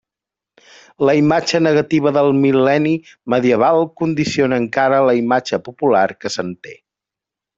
La imatge negativa del mil·lenni medieval condiciona encara la imatge popular que se'n té.